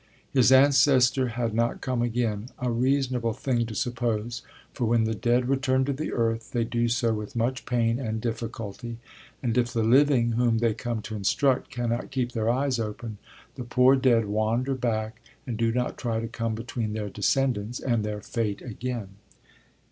His ancestor had not come again: a reasonable thing to suppose, for when the dead return to the earth they do so with much pain and difficulty; and if the living, whom they come to instruct, cannot keep their eyes open, the poor dead wander back and do not try to come between their descendants and their fate again.